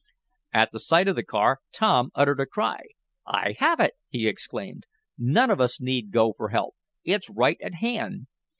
At the sight of the car Tom uttered a cry. "I have it!" he exclaimed. "None of us need go for help! It's right at hand!"